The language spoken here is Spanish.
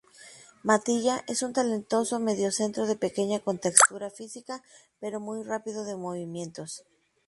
Matilla es un talentoso mediocentro de pequeña contextura física pero muy rápido de movimientos.